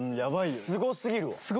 すごすぎるわ。